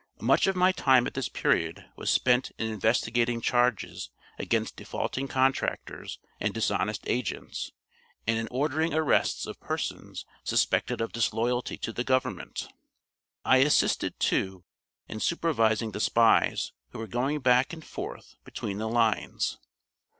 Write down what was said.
Much of my time at this period was spent in investigating charges against defaulting contractors and dishonest agents, and in ordering arrests of persons suspected of disloyalty to the Government. I assisted, too, in supervising the spies who were going back and forth between the lines.